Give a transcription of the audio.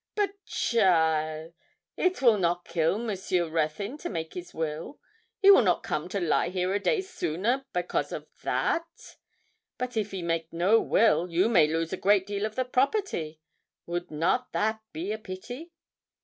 'But, cheaile, it will not kill Monsieur Ruthyn to make his will; he will not come to lie here a day sooner by cause of that; but if he make no will, you may lose a great deal of the property. Would not that be pity?'